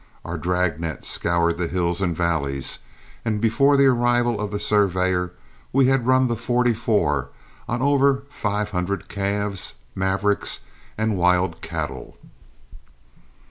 Our drag net scoured the hills and valleys, and before the arrival of the surveyor we had run the "44" on over five hundred calves, mavericks, and wild cattle.